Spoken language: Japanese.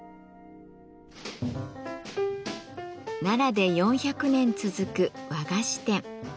奈良で４００年続く和菓子店。